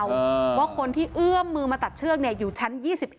ว่าคนที่เอื้อมมือมาตัดเชือกอยู่ชั้น๒๑